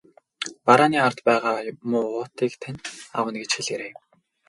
Барааны ард байгаа муу уутыг тань авна гэж хэлээрэй.